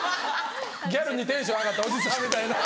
ギャルにテンション上がったおじさんみたいな。